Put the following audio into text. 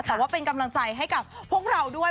แต่ว่าเป็นกำลังใจให้กับพวกเราด้วย